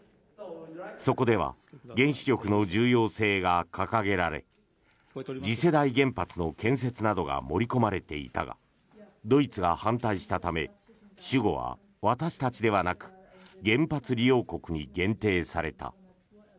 そこでは原子力の重要性が掲げられ次世代原発の建設などが盛り込まれていたがドイツが反対したため主語は私たちではなく原発利用国に限定された。